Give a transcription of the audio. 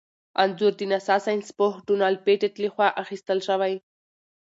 انځور د ناسا ساینسپوه ډونلډ پېټټ لخوا اخیستل شوی.